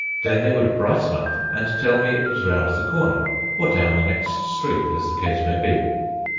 Then they would brighten up, and tell me it was round the corner, or down the next street, as the case might be.